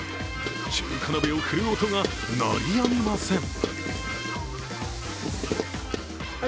中華鍋を振る音が鳴りやみません。